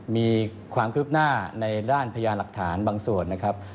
มีความคืบหน้าในด้านพยานหลักฐานบางส่วนนะครับ